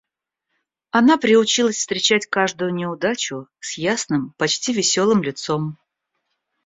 Она приучилась встречать каждую неудачу с ясным, почти весёлым лицом.